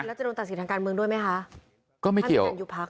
แล้วจะโดนตัดสิทธิ์ทางการเมืองด้วยไหมคะ